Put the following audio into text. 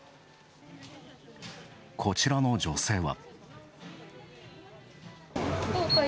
こちらの女性は。